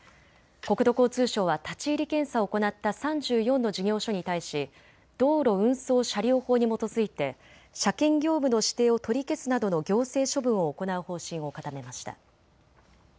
国土交通省は立ち入り検査を行った３４の事業所に対し道路運送車両法に基づいて車検業務の指定を取り消すなどの行政処分を行う方針を固めました。